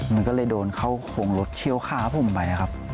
มันก็เลยโดนเข้าโครงรถเชี่ยวขาผมไปครับ